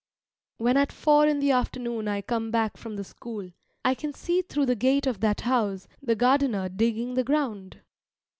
When at four in the afternoon I come back from the school, I can see through the gate of that house the gardener digging the ground.